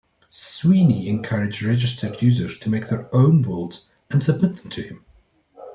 Sweeney encouraged registered users to make their own worlds and submit them to him.